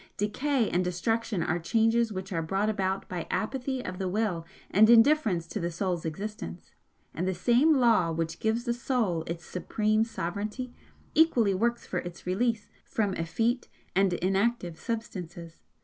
Decay and destruction are changes which are brought about by apathy of the Will and indifference to the Soul's existence, and the same Law which gives the Soul its supreme sovereignty equally works for its release from effete and inactive substances.